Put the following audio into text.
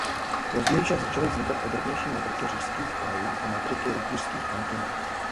Později však začaly vznikat podrobnější matriky říšských krajů a matriky rytířských kantonů.